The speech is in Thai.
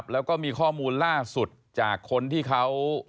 แล้วก็มีข้อมูลล่าสุดจากคนที่เขา